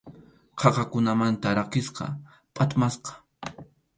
Qaqakunamanta rakisqa, phatmasqa.